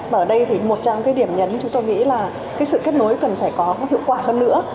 và ở đây thì một trong những điểm nhấn chúng tôi nghĩ là cái sự kết nối cần phải có hiệu quả hơn nữa